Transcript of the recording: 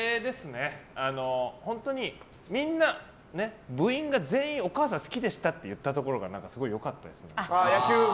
本当にみんな、部員が全員お母さん好きでしたと言ったところがすごい良かったです。